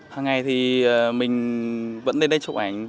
hằng ngày thì mình vẫn đến đây chụp ảnh